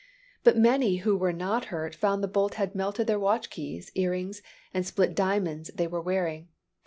But many who were not hurt found the bolt had melted their watch keys, earrings, and split diamonds they were wearing.